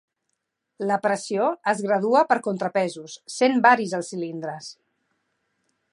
La pressió es gradua per contrapesos, sent varis els cilindres.